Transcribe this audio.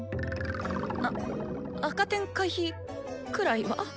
あ赤点回避くらいは？